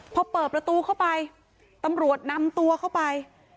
พอเปิดประตูเข้าไปตำรวจนำตัวเข้าไป